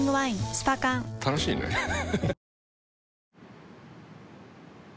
スパ缶楽しいねハハハ